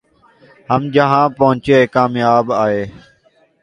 ہم جہاں پہنچے کامیاب آئے